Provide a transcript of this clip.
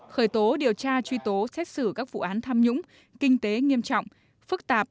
khởi tố điều tra truy tố xét xử các vụ án tham nhũng kinh tế nghiêm trọng phức tạp